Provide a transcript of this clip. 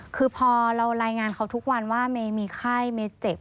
คือพอเรารายงานเขาทุกวันว่าเมย์มีไข้เมย์เจ็บ